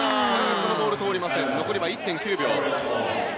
このボール通りません残りは１．９秒。